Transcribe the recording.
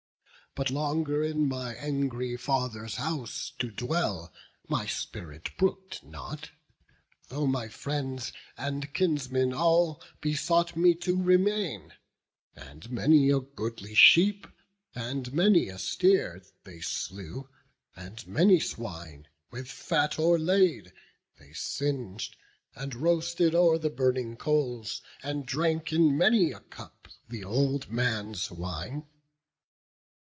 But longer in my angry father's house To dwell, my spirit brook'd not, though my friends And kinsmen all besought me to remain; And many a goodly sheep, and many a steer They slew, and many swine, with fat o'erlaid, They sing'd, and roasted o'er the burning coals; And drank in many a cup the old man's wine.